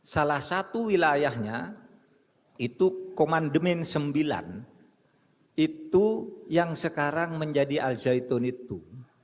salah satu wilayahnya itu komandemen sembilan itu yang sekarang menjadi al zaitun itu